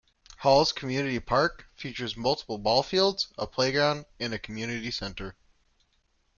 Halls Community Park features multiple ball fields, a playground, and a community center.